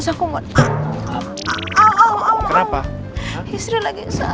aku masih harus sembunyikan masalah lo andin dari mama